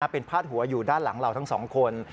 เป็นพาดหัวอยู่ด้านหลังเราทั้งสองคน